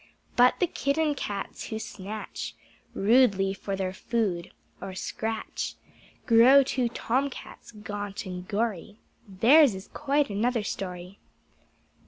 But the Kittencats who snatch Rudely for their food, or scratch, Grow to Tomcats gaunt and gory, Theirs is quite another story.